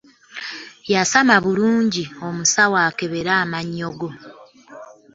Yasama bulungi omusawo akebere amannyo go.